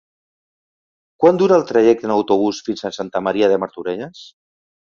Quant dura el trajecte en autobús fins a Santa Maria de Martorelles?